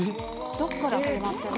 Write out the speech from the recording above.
どっから始まってるの？